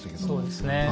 そうですね。